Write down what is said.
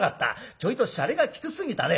ちょいとしゃれがきつすぎたね。